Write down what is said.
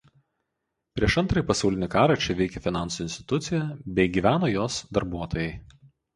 Prieš Antrąjį pasaulinį karą čia veikė finansų institucija bei gyveno jos darbuotojai.